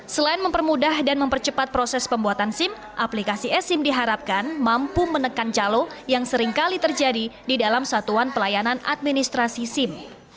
selain mempermudah dan mempercepat proses pembuatan sim aplikasi esim diharapkan mampu menekan calo yang seringkali terjadi di dalam satuan pelayanan administrasi sim